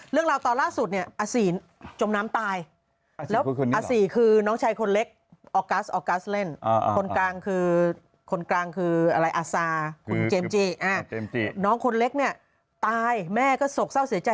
เรื่องราวตอนล่าสุดเนี่ยอาศียยยยยยยยยยยยยยยยยยยยยยยยยยยยยยยยยยยยจมน้ำตาย